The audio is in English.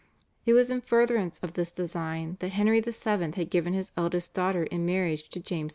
It was in furtherance of this design that Henry VII. had given his eldest daughter in marriage to James IV.